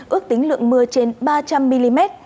ước tính lượng mưa trên ba trăm linh mm